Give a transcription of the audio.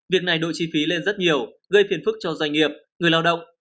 việc này đội chi phí lên rất nhiều gây phiền phức cho doanh nghiệp người lao động